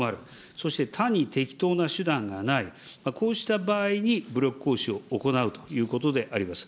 そして、他に適当な手段がない、こうした場合に武力行使を行うということであります。